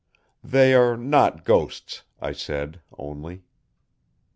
"They are not ghosts," I said only.